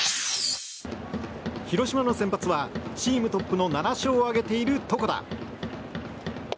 広島の先発はチームトップの７勝を挙げている床田。